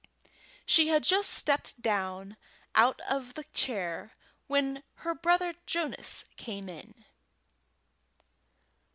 She had just stepped down out of the chair when her brother Jonas came in.